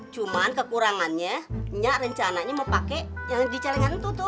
cuman kekurangannya inya rencananya mau pake yang di calingantutu